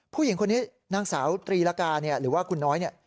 ผู้หญิงคนนี้นางสาวตรีรกรหรือว่าคุณน้อย